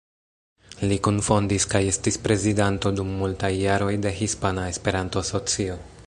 Li kunfondis kaj estis prezidanto dum multaj jaroj de Hispana Esperanto-Asocio.